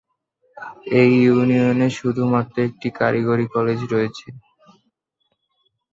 এই ইউনিয়নে শুধু মাত্র একটি কারিগরি কলেজ রয়েছে।